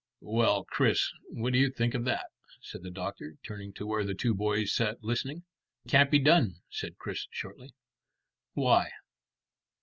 "Well, Chris, what do you think of that?" said the doctor, turning to where the two boys sat listening. "Can't be done," said Chris shortly. "Why?"